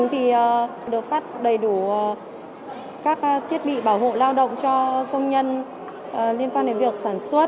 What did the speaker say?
thì được phát đầy đủ các thiết bị bảo hộ lao động cho công nhân liên quan đến việc sản xuất